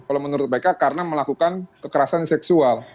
kalau menurut mereka karena melakukan kekerasan seksual